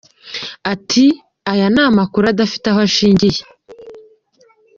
Ati "Aya ni amakuru adafite aho ashingiye.